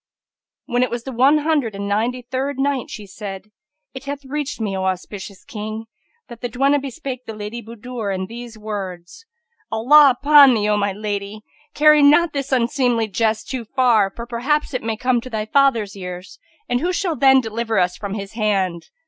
When it was the One Hundred and Ninety third Night, She said, It hath reached me, O auspicious King, that the duenna bespake the Lady Budur in these words, "Allah upon thee, O my lady! carry not this unseemly jest too far; for perhaps it may come to thy father's ears, and who shall then deliver us from his hand?"